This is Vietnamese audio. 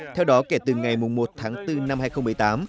theo đó kể từ ngày một tháng bốn năm hai nghìn một mươi tám